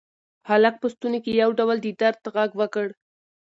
هلک په ستوني کې یو ډول د درد غږ وکړ.